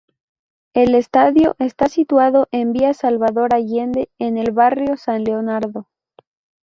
El estadio está situado en Via Salvador Allende, en el barrio San Leonardo.